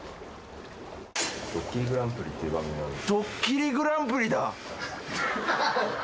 『ドッキリＧＰ』だ。